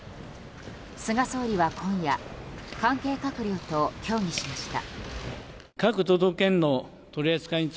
菅総理は今夜関係閣僚と協議しました。